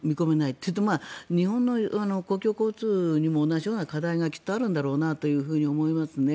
というと日本の公共交通にも同じような課題がきっとあるんだろうなと思いますね。